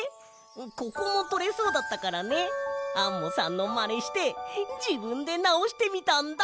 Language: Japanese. ここもとれそうだったからねアンモさんのまねしてじぶんでなおしてみたんだ！